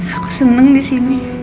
aku seneng disini